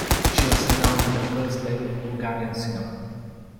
She was known as the first lady of Bulgarian cinema.